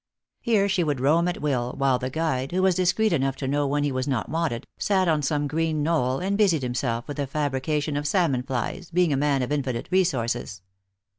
Here she would roam at will, while the guide, who was discreet enough to know when he was not wanted, sat on some green knoll and busied himself with the fabrication of salmon flies, being a man of infinite resources.